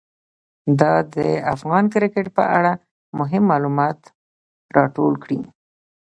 ده د افغان کرکټ په اړه مهم معلومات راټول کړي.